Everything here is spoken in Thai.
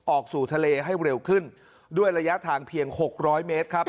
ออกสู่ทะเลให้เร็วขึ้นด้วยระยะทางเพียงหกร้อยเมตรครับ